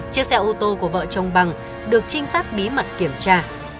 chiếc xe ô tô của vợ chồng bằng được trinh sát bí mật kiểm tra